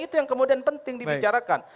itu yang kemudian penting dibicarakan